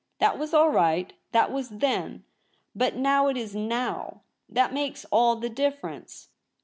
That was all right. That was Then ; but now it is Now. That makes all the difference.'